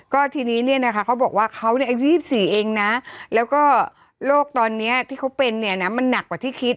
ก็ทีนี้เขาบอกว่าเขาในสี่สี่ชีวิตเองและก็โรคตอนนี้ที่เขาเป็นมันหนักกว่าที่คิด